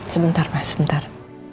sebentar pak sebentar